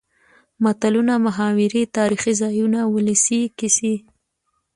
متلونه ،محاورې تاريخي ځايونه ،ولسي کسې.